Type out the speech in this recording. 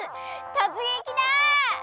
とつげきだ！